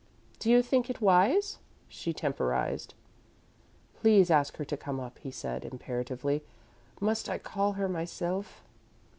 "Do you think it's wise?" she temporised. "Please ask her to come up," he said, imperatively. "Must I call her myself?"